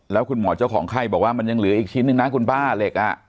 แล้วคุณหมอเจ้าของไข้บอกว่ามันยังเหลืออีกชิ้นหนึ่งนะคุณป้าเหล็ก